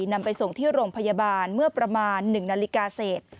นำไปส่งที่โรงพยาบาลเมื่อประมาณ๑นาฬิกาเศษ